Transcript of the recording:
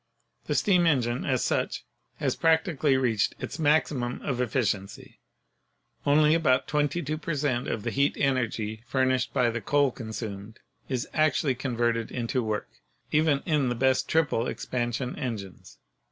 The steam engine as such has practically reached its maxi mum of efficiency. Only about 22 per cent, of the heat energy furnished by the coal consumed is actually con verted into work, even in the best triple expansion engines.